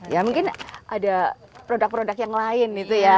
ya mungkin ada produk produk yang lain itu ya